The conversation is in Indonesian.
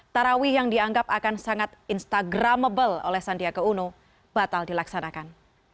tarawih yang dianggap akan sangat instagramable oleh sandiaga uno batal dilaksanakan